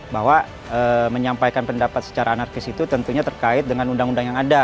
bahwa menyampaikan pendapat secara anarkis itu tentunya terkait dengan undang undang yang ada